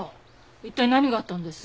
一体何があったんです？